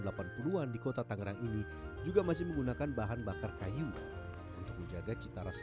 delapan puluhan dikota thanggang ini juga masih menggunakan bahan bakar kayu untuk menjaga cakap